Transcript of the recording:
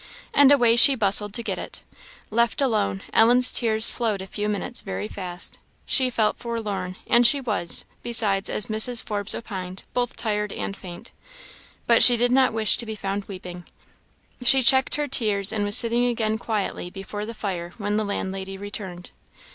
And away she bustled to get it. Left alone, Ellen's tears flowed a few minutes very fast. She felt forlorn; and she was, besides, as Mrs. Forbes opined, both tired and faint. But she did not wish to be found weeping; she checked her tears, and was sitting again quietly before the fire when the landlady returned.